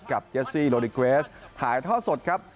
เจสซี่โลดิเกรสถ่ายท่อสดครับ